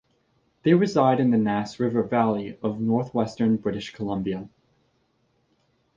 They reside in the Nass River valley of northwestern British Columbia.